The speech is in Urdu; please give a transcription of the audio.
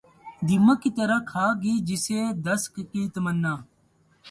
دیمک کی طرح کھا گئی جسے دستک کی تمنا